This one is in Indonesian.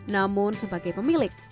namun sebagai pemilik